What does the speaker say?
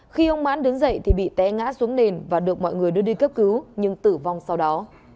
khi ông mãn đến dậy thì bị té ngã xuống nền và được mọi người đưa đi cấp cứu nhưng tử vong sau đó